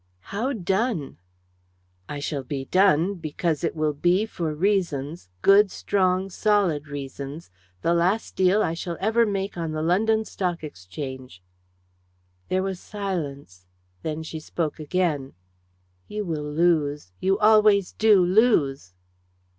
"How done?" "I shall be done, because it will be for reasons, good, strong, solid reasons, the last deal I shall ever make on the London Stock Exchange." There was silence. Then she spoke again "You will lose. You always do lose!"